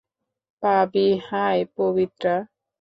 Pavi-- hi, Pabitra!